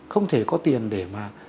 không thể có tiền để mà